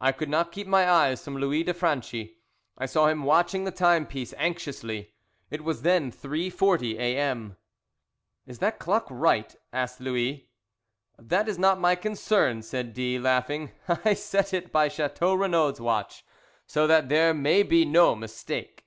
I could not keep my eyes from Louis de Franchi; I saw him watching the timepiece anxiously. It was then 3.40 A.M. "Is that clock right?" asked Louis. "That is not my concern," said D , laughing. "I set it by Chateau Renaud's watch, so that there may be no mistake."